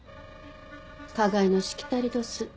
花街のしきたりどす。